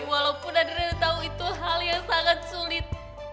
walaupun adriana tau itu hal yang sangat sulit